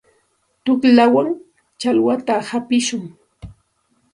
Tuqllawan chakwata hapishun.